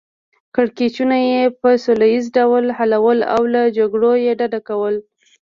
کړکیچونه یې په سوله ییز ډول حلول او له جګړو یې ډډه کوله.